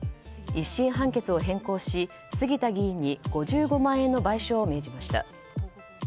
１審判決を変更し、杉田議員に５５万円の賠償を命じました。